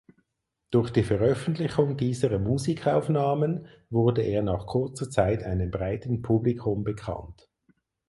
Durch die Veröffentlichung dieser Musikaufnahmen wurde er nach kurzer Zeit einem breiten Publikum bekannt.